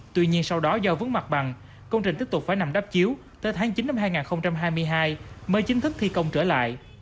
tuy nhiên sau đó do vướng mặt bằng công trình tiếp tục phải nằm đắp chiếu tới tháng chín năm hai nghìn hai mươi hai mới chính thức thi công trở lại